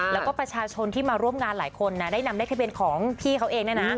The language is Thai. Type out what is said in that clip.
แล้วก็ประชาชนที่มาร่วมงานหลายคนได้นำเลขทะเบียนของพี่เขาเอง